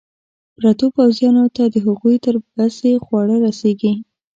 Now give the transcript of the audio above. پرتو پوځیانو ته د هغوی تر بسې خواړه رسېږي.